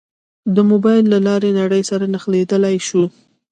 د موبایل له لارې نړۍ سره نښلېدای شو.